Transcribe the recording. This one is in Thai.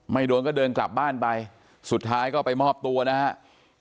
โดนก็เดินกลับบ้านไปสุดท้ายก็ไปมอบตัวนะครับ